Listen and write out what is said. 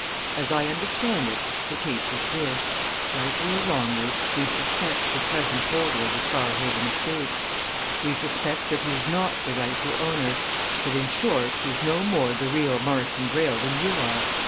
As I understand it, the case is this rightly or wrongly we suspect the present holder of the Scarhaven estates. We suspect that he is not the rightful owner that, in short, he is no more the real Marston Greyle than you are.